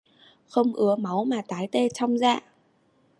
Không ứa máu mà tái tê trong dạ